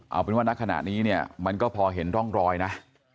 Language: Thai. เอาเป็นว่าณขณะนี้เนี่ยมันก็พอเห็นร่องรอยนะ